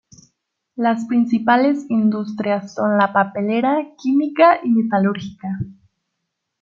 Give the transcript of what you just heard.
Las principales industrias son la papelera, química y metalúrgica.